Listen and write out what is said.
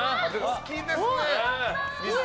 好きですね。